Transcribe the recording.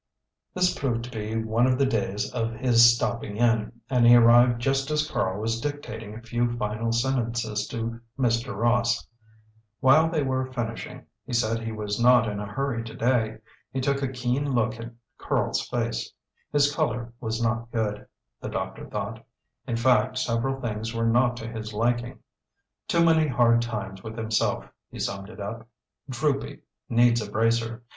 This proved to be one of the days of his stopping in, and he arrived just as Karl was dictating a few final sentences to Mr. Ross. While they were finishing he said he was not in a hurry today he took a keen look at Karl's face. His colour was not good the doctor thought; in fact several things were not to his liking. "Too many hard times with himself," he summed it up. "Droopy. Needs a bracer.